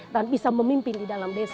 dan bisa memimpin di dalam desa